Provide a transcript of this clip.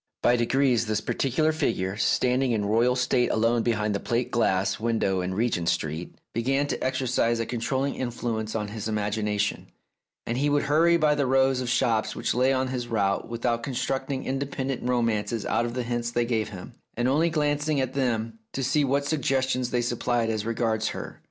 By degrees, this particular figure, standing in royal state alone behind the plate glass window in Regent Street, began to exercise a controlling influ ence on his imagination, and he would hurry by the rows of shops which lay on his route without con structing independent romances out of the hints they gave him, and only glancing at them to see what suggestions they supplied as regards Her.